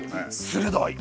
鋭い！